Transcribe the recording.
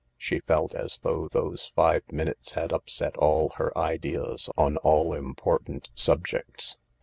She felt as though those five minutes had upset all her ideas on all important subjects.